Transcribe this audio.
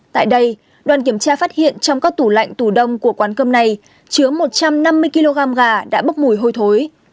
tại đây đoàn kiểm tra phát hiện trong các tủ lạnh tủ đông của quán cơm này chứa một trăm năm mươi kg gà đã bốc mùi hôi thối